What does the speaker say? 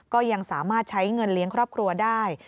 ก็ยังสามารถใช้เงินเลี้ยงครอบครัวได้